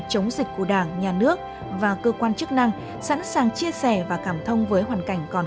chống dịch của đảng nhà nước và cơ quan chức năng sẵn sàng chia sẻ và cảm thông với hoàn cảnh còn